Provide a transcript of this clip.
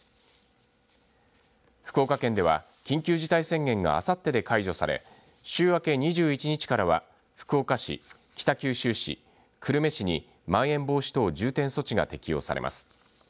福岡県では緊急事態宣言があさってで解除され週明け２１日からは、福岡市北九州市、久留米市にまん延防止等重点措置が適用されます。